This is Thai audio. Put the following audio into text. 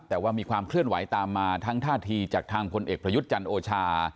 แต่ว่ามีความเคลื่อนไหวตามมาทั้งท่าทีจากทางพลเอกประยุทธ์จันทร์โอชา